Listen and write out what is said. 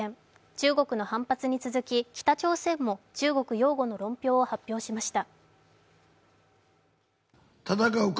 中国の反発に続き、北朝鮮も中国擁護の論評を発表しました。